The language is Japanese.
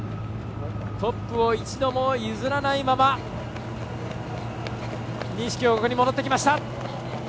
トップを一度も譲らないまま西京極に戻ってきました。